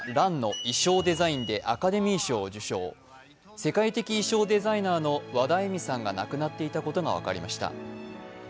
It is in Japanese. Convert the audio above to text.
世界的衣装デザイナーのワダエミさんが亡くなっていたことが分かりました。